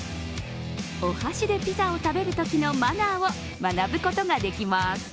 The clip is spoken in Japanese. お箸でピザを食べるときのマナーを学ぶことができます。